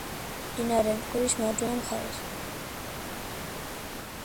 მდინარე მტკვრის მარჯვენა მხარეს.